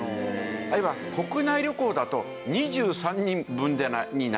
あるいは国内旅行だと２３人分になる。